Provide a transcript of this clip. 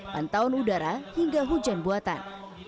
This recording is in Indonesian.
pantauan udara hingga hujan buatan